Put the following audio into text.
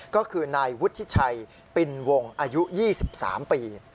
ก็คือนายวุฒิชัยปินวงอายุ๒๓ปี